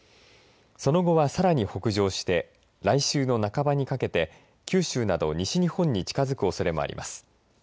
その後は、さらに北上して来週の半ばにかけて九州など西日本に近づくおそれもあります。